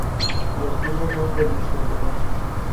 Los tubos son del mismo color.